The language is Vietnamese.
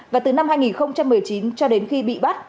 và từ năm hai nghìn một mươi chín cho đến khi bị bắt